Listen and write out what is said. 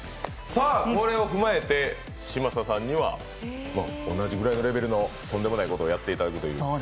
これを踏まえて嶋佐さんには同じぐらいのレベルのとんでもないことをやっていただくという。